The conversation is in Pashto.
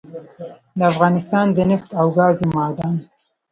دافغانستان دنفت او ګازو معادن